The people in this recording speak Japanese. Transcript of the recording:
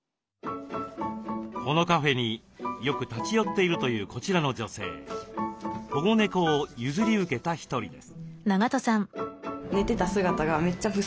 このカフェによく立ち寄っているというこちらの女性保護猫を譲り受けた一人です。